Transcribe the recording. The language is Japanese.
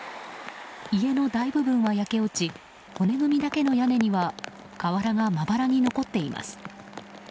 家の大部分は焼け落ち骨組みだけの屋根には瓦がまばらに残っています。